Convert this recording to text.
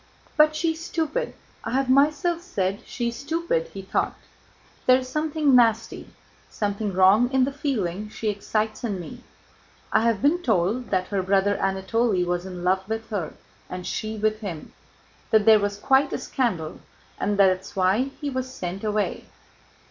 "But she's stupid. I have myself said she is stupid," he thought. "There is something nasty, something wrong, in the feeling she excites in me. I have been told that her brother Anatole was in love with her and she with him, that there was quite a scandal and that that's why he was sent away.